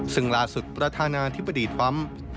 ซึ่งล่าสุดประธานาธิบดีทรัมป์